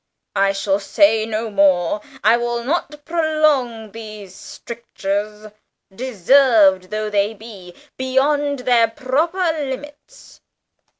"I shall say no more; I will not prolong these strictures, deserved though they be, beyond their proper limits....